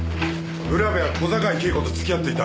浦部は小坂井恵子と付き合っていた。